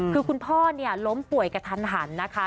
คือคุณพ่อเนี่ยล้มป่วยกระทันนะคะ